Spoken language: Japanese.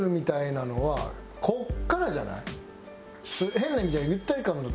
変な意味じゃない。